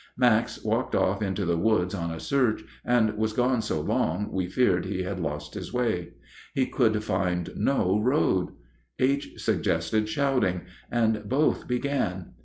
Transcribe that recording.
Max walked off into the woods on a search, and was gone so long we feared he had lost his way. He could find no road. H. suggested shouting, and both began.